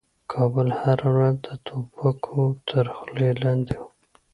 کابل هره ورځ د توپکو تر خولې لاندې و.